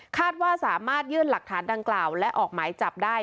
คาดว่าสามารถยื่นหลักฐานดังกล่าวและออกหมายจับได้